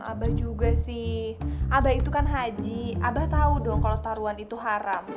abah juga sih abah itu kan haji abah tau dong kalo taruhan itu haram